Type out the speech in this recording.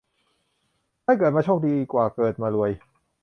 ได้เกิดมาโชคดีกว่าเกิดมารวย